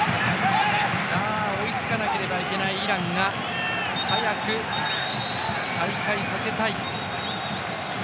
追いつかなければいけないイランが早く再開させたい。